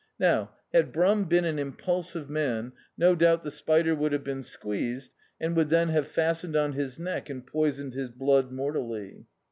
Now, had Brum been an impulsive man, no doubt the spider would have been squeezed, and would have then fastened on bis neck and poisoned his blood mortally.